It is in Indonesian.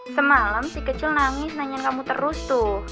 semalam si kecil nangis nanyain kamu terus tuh